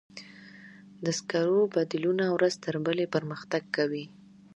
د سکرو بدیلونه ورځ تر بلې پرمختګ کوي.